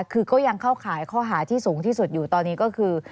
คือก็ยังเข้าข่ายข้อหาที่สูงที่สุดอยู่ตอนนี้ก็คือ